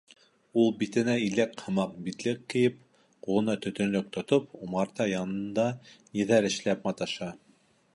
Ул, битенә иләк һымаҡ битлек кейеп, ҡулына төтөнлөк тотоп, умарта янында ниҙер эшләп маташа.